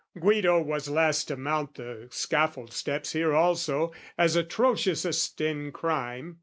"Guido was last to mount the scaffold steps "Here also, as atrociousest in crime.